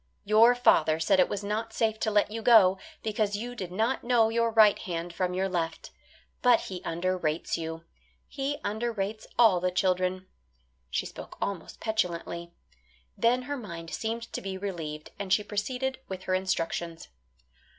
Your father said it was not safe to let you go, because you did not know your right hand from your left. But he under rates you. He under rates all the children." She spoke almost petulantly. Then her mind seemed to be relieved, and she proceeded with her instructions.